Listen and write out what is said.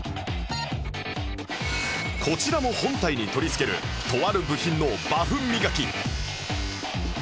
こちらも本体に取り付けるとある部品のバフ磨き